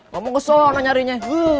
ngomong kesana nyarinya